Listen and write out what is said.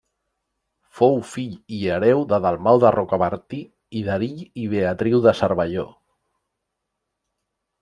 Fou fill i hereu de Dalmau de Rocabertí i d'Erill i Beatriu de Cervelló.